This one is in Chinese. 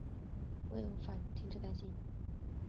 我也无法停止担心